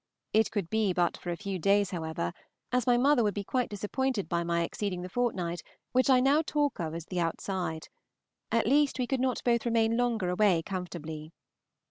It could be but for a few days, however, as my mother would be quite disappointed by my exceeding the fortnight which I now talk of as the outside at least, we could not both remain longer away comfortably.